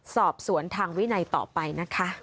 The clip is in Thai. สอบสวนทางวินัยต่อไปนะคะ